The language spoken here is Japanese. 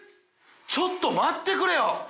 ちょっと待ってくれよ！